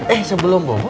eh sebelum bobo